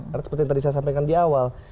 karena seperti yang tadi saya sampaikan di awal